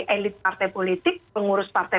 elit partai politik pengurus partai